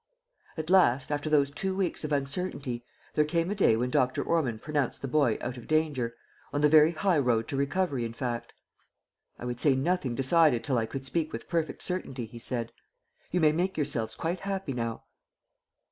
At last, after those two weeks of uncertainty, there came a day when Dr. Ormond pronounced the boy out of danger on the very high road to recovery, in fact. "I would say nothing decided till I could speak with perfect certainty," he said. "You may make yourselves quite happy now."